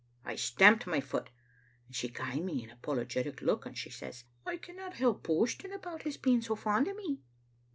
'" I stamped my foot, and she gae me an apologetic look, and she says, 'I canna help boasting about hi^ being so fond o' me.